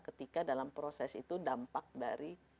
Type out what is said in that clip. ketika dalam proses itu dampak dari